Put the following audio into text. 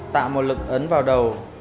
tạo một lực ấn vào đầu